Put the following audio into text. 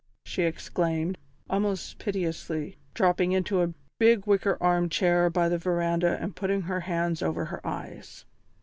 she exclaimed, almost piteously, dropping into a big wicker armchair by the verandah and putting her hands over her eyes.